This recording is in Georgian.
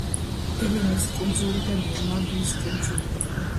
ელენეს კუნძული და ნორმანდიის კუნძულები.